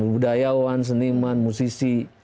budayawan seniman musisi